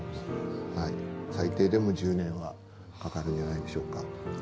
はい最低でも１０年はかかるんじゃないでしょうか